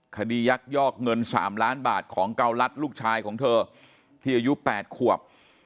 ยักยอกเงิน๓ล้านบาทของเกาลัดลูกชายของเธอที่อายุ๘ขวบ